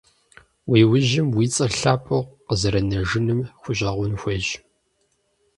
Уи ужьым уи цӀэр лъапӀэу къызэрынэжыным хущӀэкъун хуейщ.